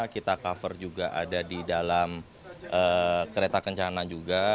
kita cover juga ada di dalam kereta kencana juga